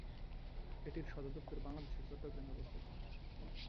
এটির সদর দফতর বাংলাদেশের চট্টগ্রামে অবস্থিত।